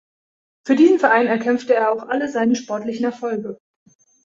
Für diesen Verein erkämpfte er auch alle seine sportlichen Erfolge.